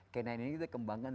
canine ini kita kembangkan